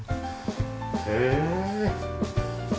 へえ。